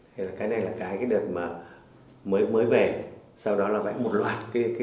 thì cái này là cái đợt mà mới về sau đó là vẽ một loạt cái giai đoạn này